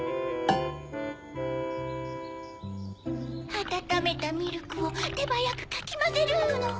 あたためたミルクをてばやくかきまぜるの。